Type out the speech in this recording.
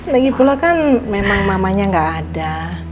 lagi pula kan memang mamanya nggak ada